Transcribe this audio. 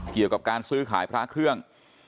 เกี่ยวกับการซื้อขายพระเครื่อง